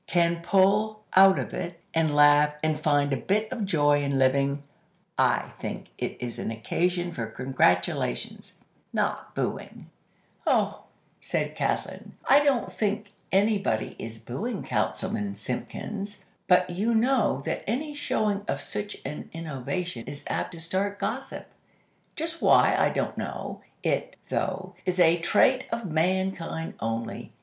can pull out of it, and laugh, and find a bit of joy in living, I think it is an occasion for congratulations, not booing." "Oh," said Kathlyn, "I don't think anybody is booing Councilman Simpkins. But you know that any showing of such an innovation is apt to start gossip. Just why, I don't know. It, though, is a trait of Mankind only.